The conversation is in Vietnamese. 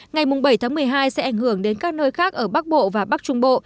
ngày bảy tháng một mươi hai sẽ ảnh hưởng đến các nơi khác ở bắc bộ và bắc trung bộ